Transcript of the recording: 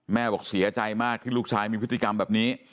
บอกเสียใจมากที่ลูกชายมีพฤติกรรมแบบนี้